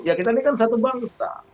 ya kita ini kan satu bangsa